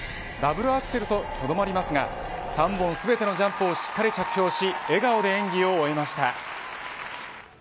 ダブルアクセルにとどまりますが３本全てのジャンプをしっかり着氷し笑顔で演技を終えました。